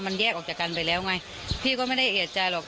มันแยกออกจากกันไปแล้วไงพี่ก็ไม่ได้เอกใจหรอก